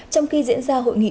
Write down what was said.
trong khi diễn ra hội nghị